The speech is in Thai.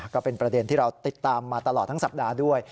ก็เป็นประเด็นที่เราติดตามมาตลอดทั้งสัปดาห์ด้วย